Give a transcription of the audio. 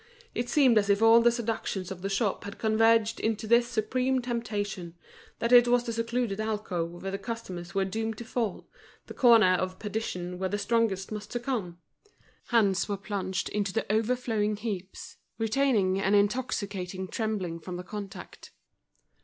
It seemed as if all the seductions of the shop had converged into this supreme temptation, that it was the secluded alcove where the customers were doomed to fall, the corner of perdition where the strongest must succumb. Hands were plunged into the overflowing heaps, retaining an intoxicating trembling from the contact.